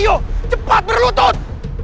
ayo cepat berlutut